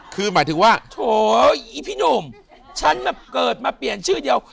คือหมายถึงว่าโถอีพี่หนุ่มฉันแบบเกิดมาเปลี่ยนชื่อเดียว